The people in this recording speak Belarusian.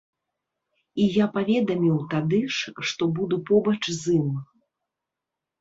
І я паведаміў тады ж, што буду побач з ім.